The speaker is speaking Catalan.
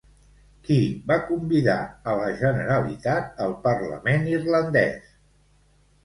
Qui va convidar a la Generalitat al parlament irlandès?